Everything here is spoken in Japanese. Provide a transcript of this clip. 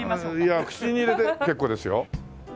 いや口に入れて結構ですよ。